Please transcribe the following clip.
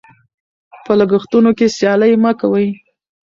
په لګښتونو کې سیالي مه کوئ.